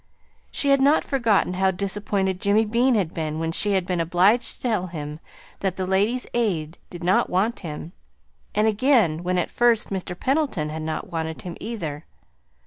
She had not forgotten how disappointed Jimmy Bean had been when she had been obliged to tell him that the Ladies' Aid did not want him, and again when at first Mr. Pendleton had not wanted him, either.